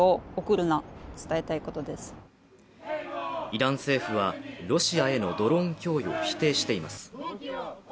イラン政府はロシアへのドローン供与を否定しています。